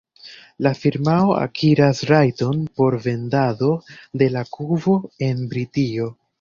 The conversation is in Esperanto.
La firmao akiras rajton por vendado de la kubo en Britio.